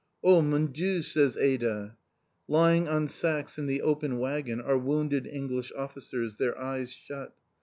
"Oh, mon Dieu!" says Ada. Lying on sacks in the open waggon are wounded English officers, their eyes shut.